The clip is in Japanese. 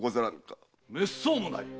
めっそうもない。